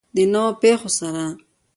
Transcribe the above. د نویو پیښو سره.